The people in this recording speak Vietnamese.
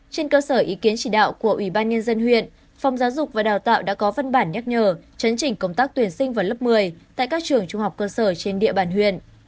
trên cơ sở ý kiến chỉ đạo của ủy ban nhân dân huyện phòng giáo dục và đào tạo đã có phân bản nhắc nhở chấn chỉnh công tác tuyển sinh vào lớp một mươi tại các trường trung học cơ sở trên địa bàn huyện